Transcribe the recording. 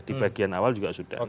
di bagian awal juga sudah